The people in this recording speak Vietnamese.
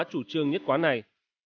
chủ trương nhất quán này